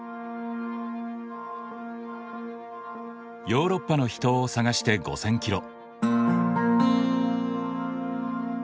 ヨーロッパの秘湯を探して５，０００キロ。